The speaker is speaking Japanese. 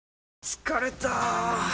疲れた！